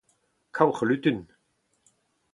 Kaoc'h lutun !